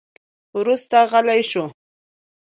وروسته غلی شو.